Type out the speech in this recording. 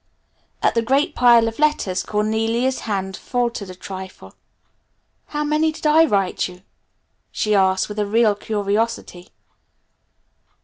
At the great pile of letters Cornelia's hand faltered a trifle. "How many did I write you?" she asked with real curiosity.